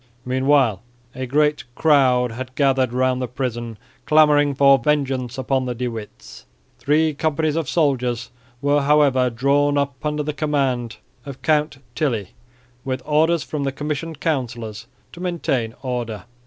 Meanwhile a great crowd had gathered round the prison clamouring for vengeance upon the De Witts. Three companies of soldiers were however drawn up under the command of Count Tilly with orders from the Commissioned Councillors to maintain order.